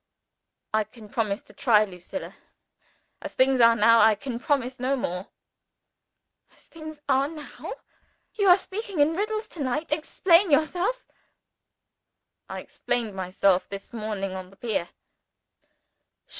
"I can promise to try, Lucilla. As things are now I can promise no more." "As things are now? You are speaking in riddles to night. Explain yourself." "I explained myself this morning on the pier."